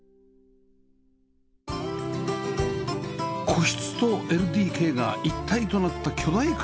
個室と ＬＤＫ が一体となった巨大空間